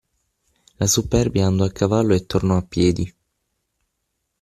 La superbia andò a cavallo e tornò a piedi.